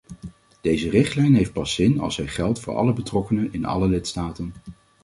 Deze richtlijn heeft pas zin als zij geldt voor alle betrokkenen in alle lidstaten.